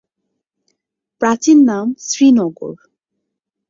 প্রাচীন নাম শ্রীনগর।